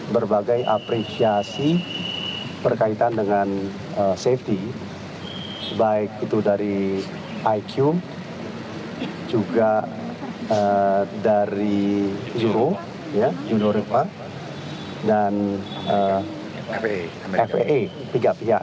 berbagai apresiasi berkaitan dengan safety baik itu dari iq juga dari juro ya juro repa dan faa tiga pihak